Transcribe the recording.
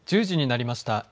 １０時になりました。